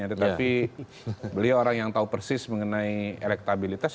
tetapi beliau orang yang tahu persis mengenai elektabilitas